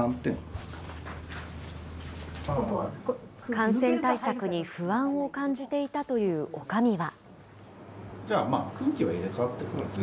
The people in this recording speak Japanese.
感染対策に不安を感じていたというおかみは。